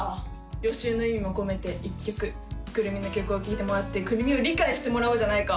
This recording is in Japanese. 予習の意味も込めて１曲９６３の曲を聴いてもらって９６３を理解してもらおうじゃないか